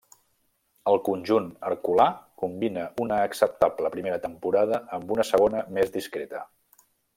Al conjunt herculà combina una acceptable primera temporada amb una segona més discreta.